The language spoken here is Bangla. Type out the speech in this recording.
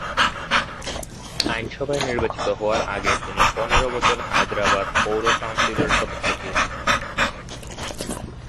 আইনসভায় নির্বাচিত হওয়ার আগে তিনি পনেরো বছর হায়দরাবাদ পৌর কাউন্সিলের সদস্য ছিলেন।